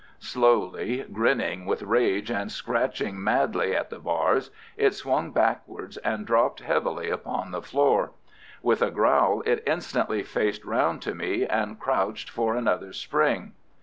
Slowly, grinning with rage and scratching madly at the bars, it swung backwards and dropped heavily upon the floor. With a growl it instantly faced round to me and crouched for another spring.